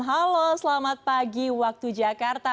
halo selamat pagi waktu jakarta